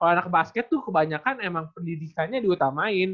kalau anak basket tuh kebanyakan emang pendidikannya diutamain